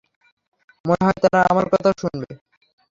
মনে হয় তারা আমার কথা শুনবে।